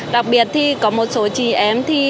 đặc biệt thì có một số chị em